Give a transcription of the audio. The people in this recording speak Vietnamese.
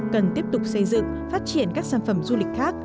cần tiếp tục xây dựng phát triển các sản phẩm du lịch khác